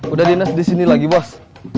udah dinas disini lagi bos